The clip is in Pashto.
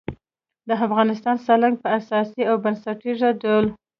د افغانستان سالنګ په اساسي او بنسټیز ډول